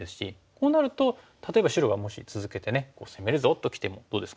こうなると例えば白がもし続けて「攻めるぞ」ときてもどうですか？